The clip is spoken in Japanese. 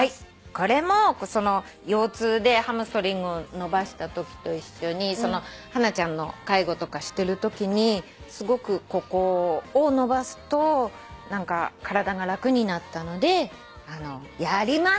これも腰痛でハムストリングを伸ばしたときと一緒にハナちゃんの介護とかしてるときにすごくここを伸ばすと何か体が楽になったのでやります！